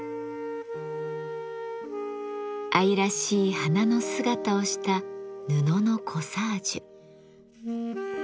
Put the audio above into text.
愛らしい花の姿をした布のコサージュ。